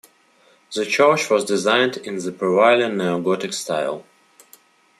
The church was designed in the prevailing neo-Gothic style.